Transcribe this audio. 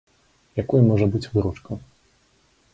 Якой можа быць выручка?